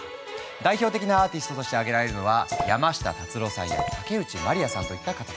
代表的なアーティストとして挙げられるのは山下達郎さんや竹内まりやさんといった方たち。